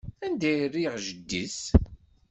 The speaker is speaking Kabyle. Anda i rriɣ jeddi-s?